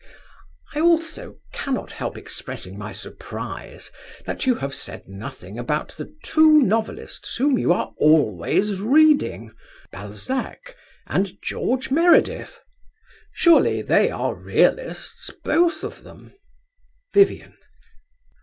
I also cannot help expressing my surprise that you have said nothing about the two novelists whom you are always reading, Balzac and George Meredith. Surely they are realists, both of them? VIVIAN.